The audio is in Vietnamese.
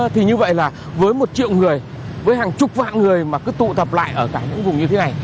thì như vậy là với một triệu người với hàng chục vạn người mà cứ tụ tập lại ở cả những vùng như thế này